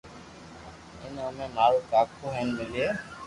ھين اومي مارو ڪاڪو ھين ملين